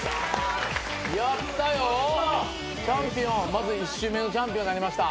まず１週目のチャンピオンになりました。